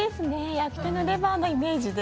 焼き鳥のレバーのイメージで。